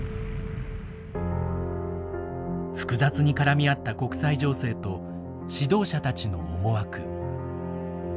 複雑に絡み合った国際情勢と指導者たちの思惑。